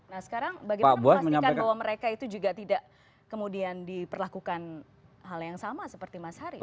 nah sekarang bagaimana memastikan bahwa mereka itu juga tidak kemudian diperlakukan hal yang sama seperti mas haris